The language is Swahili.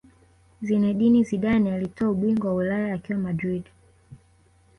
Zinedine Zidane alitwaa ubingwa wa Ulaya akiwa Madrid